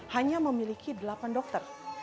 hanya memiliki delapan dokter